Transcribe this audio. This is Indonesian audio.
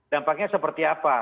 dampaknya seperti apa